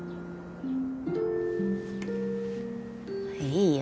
いいよ。